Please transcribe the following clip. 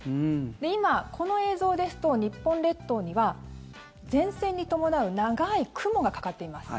今、この映像ですと日本列島には前線に伴う長い雲がかかっています。